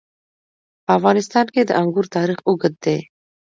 په افغانستان کې د انګور تاریخ اوږد دی.